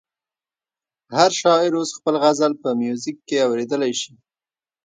هر شاعر اوس خپل غزل په میوزیک کې اورېدلی شي.